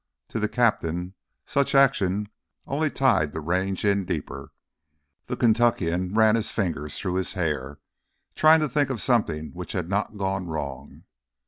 To the captain such action only tied the Range in deeper. The Kentuckian ran his fingers through his hair, trying to think of something which had not gone wrong.